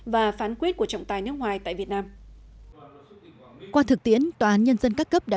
và phán quyết của trọng tài nước ngoài tại việt nam qua thực tiễn tòa án nhân dân các cấp đã